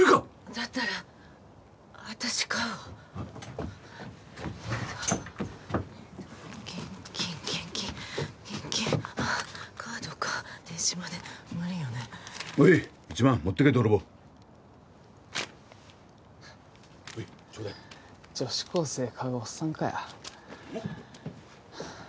だったら私買うわえーと現金現金現金あっカードか電子マネー無理よねおい１万持ってけドロボーはいちょうだい女子高生買うオッサンかよ